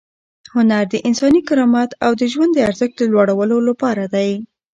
هنر د انساني کرامت او د ژوند د ارزښت د لوړولو لپاره دی.